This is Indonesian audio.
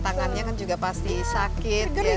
tangan juga pasti sakit